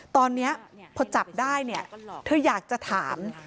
ตอนนี้พอจับได้เนี่ยเธออยากจะถาม